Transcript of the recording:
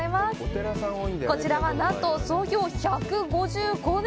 こちらは、なんと創業１５５年。